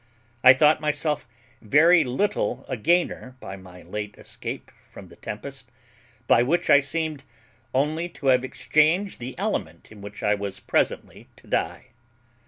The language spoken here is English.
I thought myself very little a gainer by my late escape from the tempest, by which I seemed only to have exchanged the element in which I was presently to die.